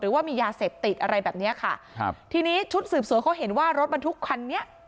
ว่ามียาเสพติดอะไรแบบเนี้ยค่ะครับทีนี้ชุดสืบสวนเขาเห็นว่ารถบรรทุกคันนี้